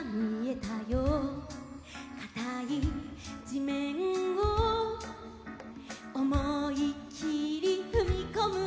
「かたいじめんをおもいきりふみこむぞ」